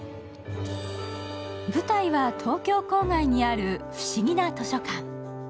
舞台は東京郊外にある不思議な図書館。